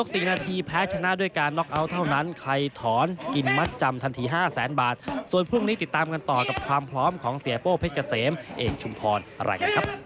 อดีตเคยเป็นดาราภูทรด้วยในนามของแท็กซี่น้อย